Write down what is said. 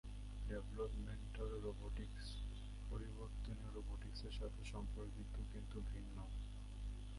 Developmental robotics বিবর্তনীয় রোবোটিক্সের সাথে সম্পর্কিত, কিন্তু ভিন্ন।